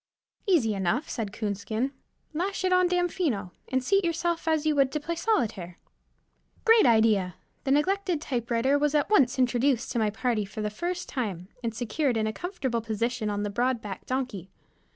"Easy enough," said Coonskin. "Lash it on Damfino, and seat yourself as you would to play solitaire." Great idea! The neglected typewriter was at once introduced to my party for the first time, and secured in a comfortable position on the broad backed donkey.